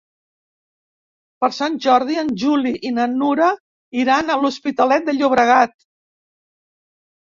Per Sant Jordi en Juli i na Nura iran a l'Hospitalet de Llobregat.